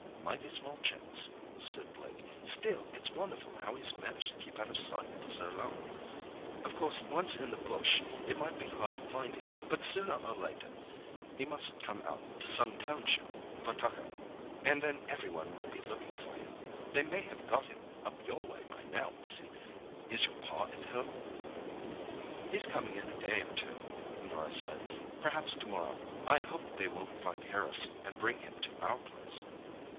"Mighty small chance," said Blake. "Still, it's wonderful how he's managed to keep out of sight for so long. Of course, once in the bush it might be hard to find him—but sooner or later he must come out to some township for tucker, an' then everyone will be lookin' out for him. They may have got him up your way by now, missy. Is your Pa at home?" "He's coming home in a day or two," Norah said; "perhaps to morrow. I hope they won't find Harris and bring him to our place."